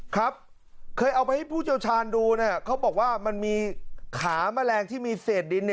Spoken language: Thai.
ครับเคยเอาไว้ให้ผู้เจ้าชาญดูนะเขาบอกว่ามันมีขามแมลงที่มีเสน่ห์ดิน